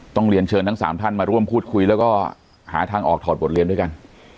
ต้องเรียนเชิญทั้ง๓ท่านมาร่วมพูดคุยแล้วก็หาทางออกถอดบทเรียนด้วยกัน